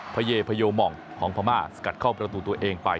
เยพโยมองของพม่าสกัดเข้าประตูตัวเองไป